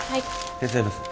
手伝います。